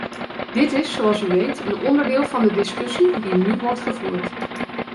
Dit is, zoals u weet, een onderdeel van de discussie die nu wordt gevoerd.